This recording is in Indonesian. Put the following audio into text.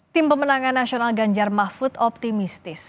tim pemenangan nasional ganjar mahfud optimistis